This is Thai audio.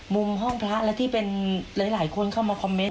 มุมห้องพระและที่เป็นหลายคนเข้ามาคอมเมนต